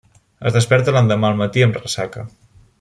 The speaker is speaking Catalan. Es desperta l'endemà al matí amb ressaca.